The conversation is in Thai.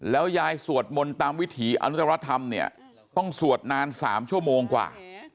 แล้วยายสวดมนต์ตามวิถีอนุตรธรรมเนี่ยต้องสวดนาน๓ชั่วโมงกว่า